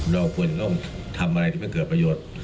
เราก็ควรมาทำอะไรที่มีเครือประโยชน์